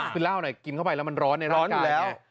คือเหล้าน่ะกินเข้าไปแล้วมันร้อนอยู่แล้ว